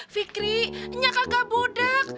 fikri enyak gak bodek